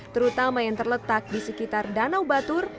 terutama yang terletak di sekitar danau batur